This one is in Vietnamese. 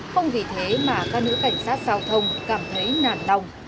không vì thế mà các nữ cảnh sát giao thông cảm thấy nản lòng